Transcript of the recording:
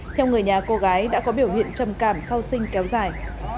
theo người nhà cô gái đã có biểu hiện trầm cảm sau sinh kéo dài